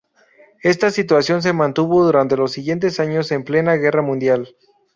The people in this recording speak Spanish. Esta situación se mantuvo durante los siguientes años, en plena guerra mundial.